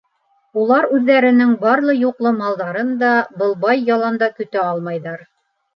Улар үҙҙәренең барлы-юҡлы малдарын да был бай яланда көтә алмайҙар.